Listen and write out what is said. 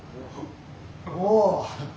おお！